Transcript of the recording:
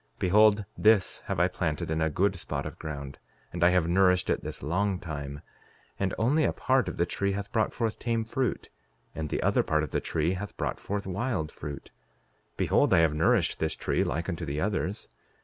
Behold, this have I planted in a good spot of ground; and I have nourished it this long time, and only a part of the tree hath brought forth tame fruit, and the other part of the tree hath brought forth wild fruit; behold, I have nourished this tree like unto the others.